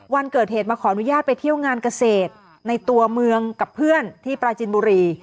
วันเกิดเหตุมาขออนุญาตไปเที่ยวงานเกษตรในตัวเมืองกับเพื่อนที่ปราจินบุรี